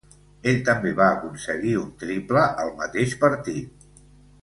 Ell també va aconseguir un triple al mateix partit.